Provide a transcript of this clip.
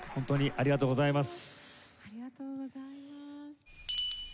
ありがとうございます。